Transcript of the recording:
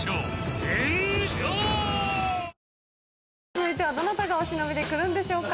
続いてはどなたがお忍びで来るんでしょうか。